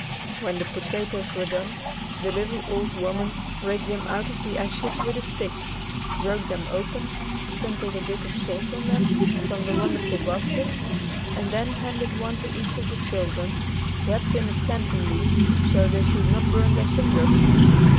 When the potatoes were done, the little old woman raked them out of the ashes with a stick, broke them open, sprinkled a bit of salt on them from the wonderful basket, and then handed one to each of the children, wrapped in a plantain leaf, so they should not burn their fingers.